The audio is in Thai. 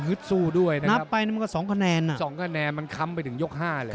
๒คะแนนมันคำไปถึงยก๕เลย